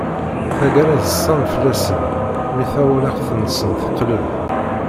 Tagara ḍsan fell-asen, mi tawriqt-nsen teqleb.